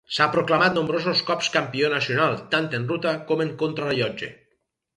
S'ha proclamat nombrosos cops campió nacional, tant en ruta com en contrarellotge.